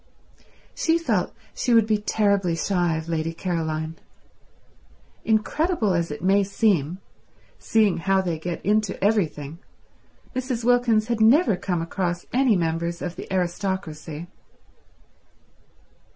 She felt she would be terribly shy of Lady Caroline. Incredible as it may seem, seeing how they get into everything, Mrs. Wilkins had never come across any members of the aristocracy.